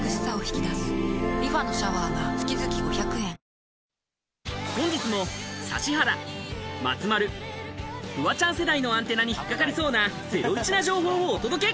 損保ジャパン本日も指原、松丸、フワちゃん世代のアンテナに引っ掛かりそうなゼロイチな情報をお届け！